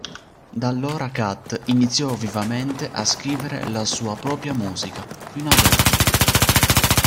Da allora Kat iniziò vivamente a scrivere la sua propria musica, fino ad oggi.